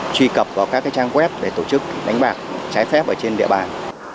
truy cập vào các trang web để tổ chức đánh bạc trái phép ở trên địa bàn